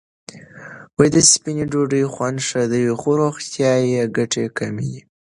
د سپینې ډوډۍ خوند ښه دی، خو روغتیايي ګټې کمې دي.